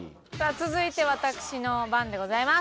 続いて私の番でございます。